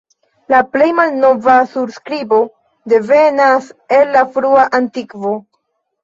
La plej malnova surskribo devenas el la frua antikvo.